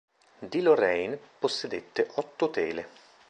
Di Lorrain possedette otto tele.